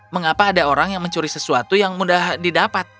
mengapa ada orang yang mencuri sesuatu yang mudah didapat